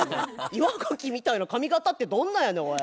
岩ガキみたいな髪形ってどんなやねんおい。